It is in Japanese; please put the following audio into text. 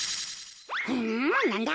んなんだ？